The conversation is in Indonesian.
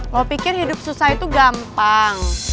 mau pikir hidup susah itu gampang